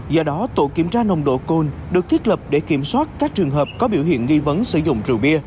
do đó tổ kiểm tra nồng độ cồn được thiết lập để kiểm soát các trường hợp có biểu hiện nghi vấn sử dụng rượu bia